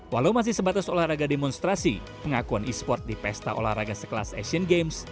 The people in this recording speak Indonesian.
walau masih sebatas olahraga demonstrasi pengakuan e sport di pesta olahraga sekelas asian games